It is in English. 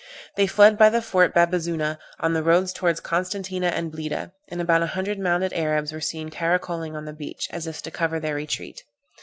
They fled by the fort Bab azoona, on the roads towards Constantina and Bleeda; and about a hundred mounted Arabs were seen caracolling on the beach, as if to cover their retreat.